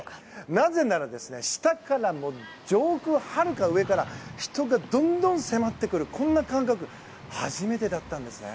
なぜなら、上空はるか上から人がどんどん迫ってくるこんな感覚初めてだったんですね。